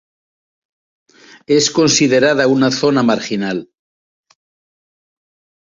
Es considerada una zona marginal.